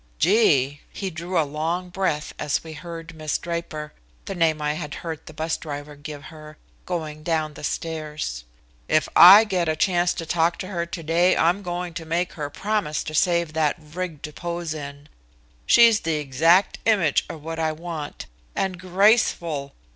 "Gee!" He drew a long breath as we heard Miss Draper the name I had heard the 'bus driver give her going down the stairs. "If I get a chance to talk to her today I'm going to make her promise to save that rig to pose in. She's the exact image of what I want. And graceful!